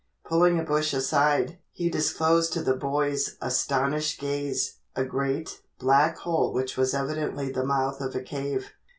Pulling a bush aside, he disclosed to the boys' astonished gaze, a great, black hole which was evidently the mouth of a cave.